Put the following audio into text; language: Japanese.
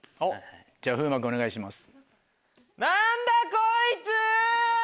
じゃあ風磨君お願いします。